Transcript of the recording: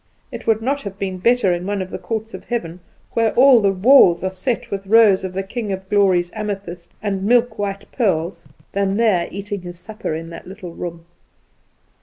It would not have been better in one of the courts of heaven, where the walls are set with rows of the King of Glory's amethysts and milk white pearls, than there, eating his supper in that little room.